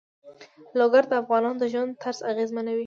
لوگر د افغانانو د ژوند طرز اغېزمنوي.